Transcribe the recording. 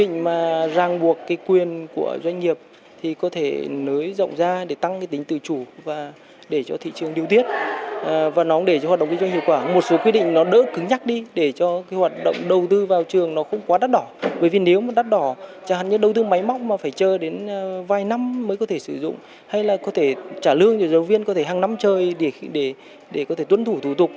hay là có thể trả lương cho giáo viên có thể hàng năm chơi để có thể tuân thủ thủ tục